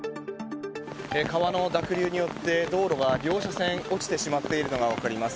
川の濁流によって道路が両車線落ちてしまっているのがわかります。